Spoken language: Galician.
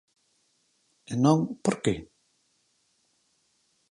E non, ¿por que?